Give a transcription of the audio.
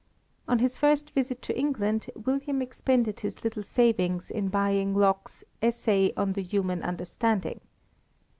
On this first visit to England, William expended his little savings in buying Locke's "Essay on the Human Understanding."